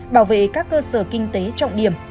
bảo vệ các cơ sở kinh tế trọng điểm